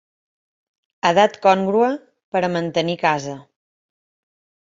Edat còngrua per a mantenir casa.